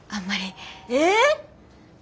えっ！？